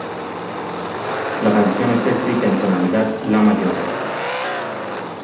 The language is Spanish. La canción está escrita en la tonalidad "la" mayor.